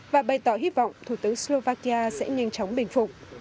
và bày tỏ hy vọng thủ tướng slovakia sẽ nhanh chóng bình phục